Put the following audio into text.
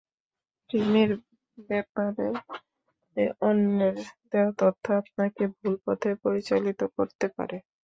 প্রেমের ব্যাপারে অন্যের দেওয়া তথ্য আপনাকে ভুল পথে পরিচালিত করতে পারে।